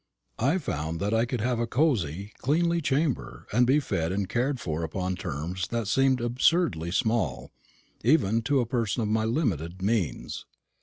I found that I could have a cosy, cleanly chamber, and be fed and cared for upon terms that seemed absurdly small, even to a person of my limited means.